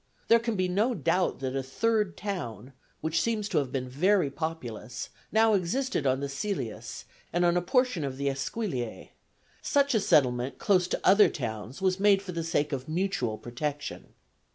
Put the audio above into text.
There can be no doubt that a third town, which seems to have been very populous, now existed on the Cælius and on a portion of the Esquiliæ: such a settlement close to other towns was made for the sake of mutual protection.